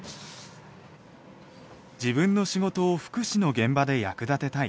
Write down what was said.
自分の仕事を福祉の現場で役立てたい。